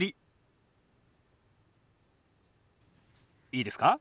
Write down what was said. いいですか？